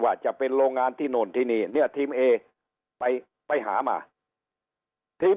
ว่าจะเป็นโรงงานที่โน่นที่นี่เนี่ยทีมเอไปไปหามาทีม